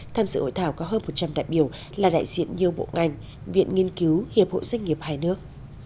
tham dự hội thảo có hơn một trăm linh đại biểu là đại diện nhiều bộ ngành viện nghiên cứu hiệp hội doanh nghiệp hai nước